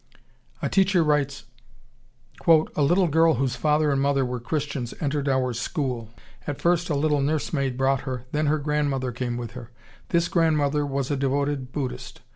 ] A teacher writes, "A little girl whose father and mother were Christians entered our school. At first a little nursemaid brought her, then her grandmother came with her. This grandmother was a devoted Buddhist.